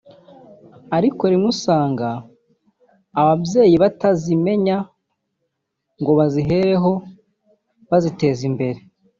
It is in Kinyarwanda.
ariko rimwe usanga ababyeyi batazimenya ngo bazihereho baziteza imbere